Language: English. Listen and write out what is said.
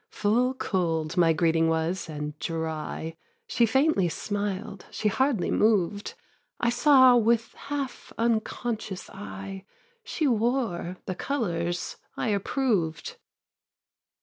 Full cold my greeting was and dry; She faintly smiled, she hardly moved; I saw with half unconscious eye She wore the colours I approved.